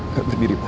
pak berdiri pak